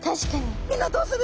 「みんなどうする？」。